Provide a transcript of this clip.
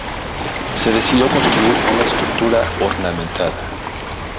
Se decidió construir una estructura ornamentada.